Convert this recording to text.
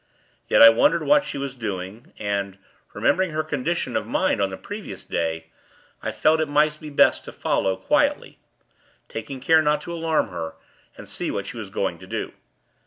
Yet, I wondered what she was doing; and, remembering her condition of mind, on the previous day, I felt that it might be best to follow, quietly taking care not to alarm her and see what she was going to do.